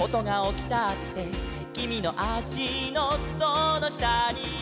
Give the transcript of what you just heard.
「きみのあしのそのしたには」